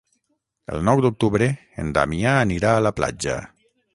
El nou d'octubre en Damià anirà a la platja.